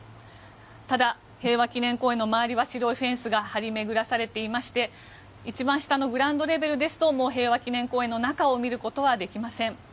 ただ、平和記念公園の周りは白いフェンスが張り巡らされていまして一番下のグラウンドレベルですともう平和記念公園の中を見ることができません。